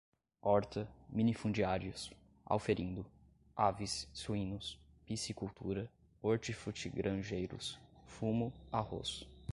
horta, minifundiários, auferindo, aves, suínos, piscicultura, hortifrutigranjeiros, fumo, arroz